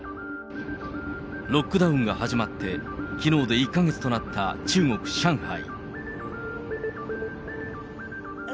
ロックダウンが始まって、きのうで１か月となった中国・上海。